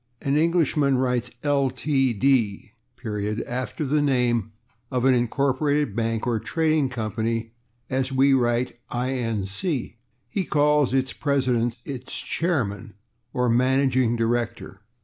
An Englishman writes /Ltd./ after the name of an incorporated bank or trading company as we write /Inc./ He calls its president its /chairman/ or /managing director